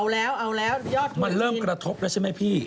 เรื่องกระทบแล้วใช่ไหมพี่